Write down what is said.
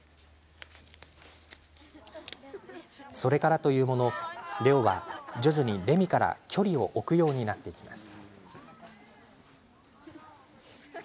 それからというものレオは徐々にレミから距離を置くようになっていきます。